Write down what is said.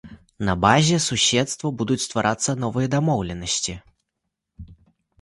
На базе суседства будуць стварацца новыя дамоўленасці.